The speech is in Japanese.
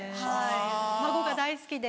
孫が大好きで。